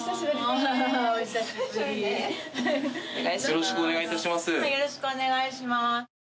よろしくお願いします。